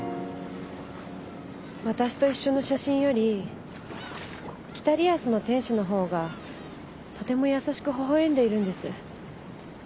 私と一緒の写真より『北リアスの天使』の方がとても優しくほほ笑んでいるんです。